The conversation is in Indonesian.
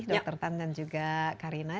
dr tan dan juga karina